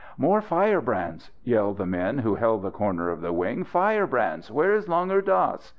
"More firebrands!" yelled the men who held that corner of the wing. "Firebrands! Where is Langur Dass?"